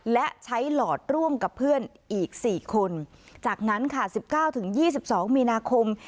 และใช้หลอดร่วมกับเพื่อนอีกสี่คนจากนั้นค่ะสิบเก้าถึงยี่สิบสองมีนาคม